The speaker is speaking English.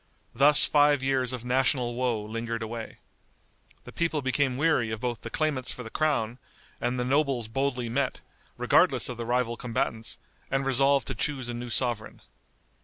Thus five years of national woe lingered away. The people became weary of both the claimants for the crown, and the nobles boldly met, regardless of the rival combatants, and resolved to choose a new sovereign.